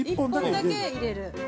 ◆１本だけ入れる。